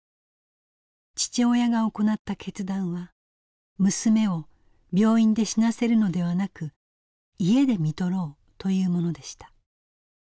父親が行った決断は娘を病院で死なせるのではなく家で看取ろうというものでした。